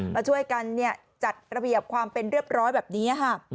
มาช่วยกันจัดระเบียบความเป็นเรียบร้อยแบบนี้ค่ะ